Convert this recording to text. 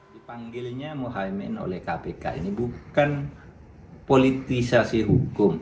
dipanggilnya mohaimin oleh kpk ini bukan politisasi hukum